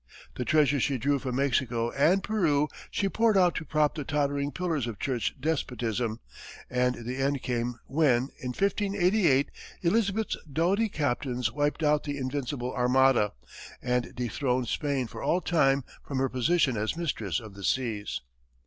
The treasure she drew from Mexico and Peru she poured out to prop the tottering pillars of church despotism; and the end came when, in 1588, Elizabeth's doughty captains wiped out the "invincible" armada, and dethroned Spain for all time from her position as mistress of the seas.